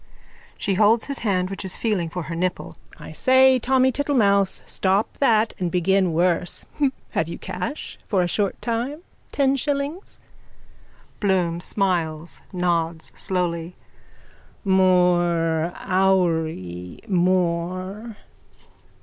(She holds his hand which is feeling for her nipple.) I say, Tommy Tittlemouse. Stop that and begin worse. Have you cash for a short time? Ten shillings? BLOOM: (Smiles, nods slowly.) More, houri, more.